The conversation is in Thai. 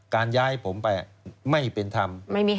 การย้ายผมไปไม่เป็นธรรม